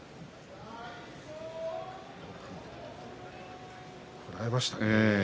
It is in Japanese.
よくこらえましたね。